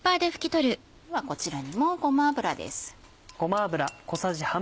こちらにもごま油です。